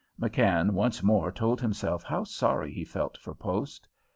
McKann once more told himself how sorry he felt for Post.